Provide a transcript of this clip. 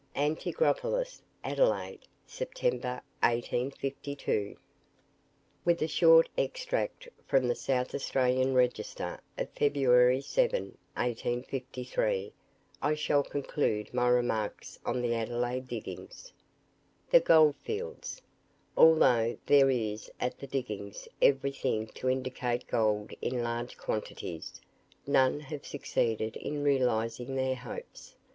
ANTIGROPOLOS. Adelaide, September 1852. With a short extract from the "South Australian Register" of February 7, 1853, I shall conclude my remarks on the Adelaide diggings. "THE GOLD FIELDS. Although there is at the diggings everything to indicate gold in large quantities, none have succeeded in realizing their hopes.